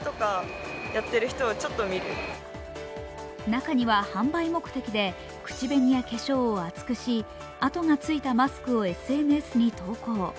中には販売目的で口紅や化粧を厚くし跡がついたマスクをＳＮＳに投稿。